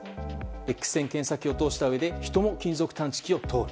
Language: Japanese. Ｘ線検査器を通したうえで人も金属探知機を通る。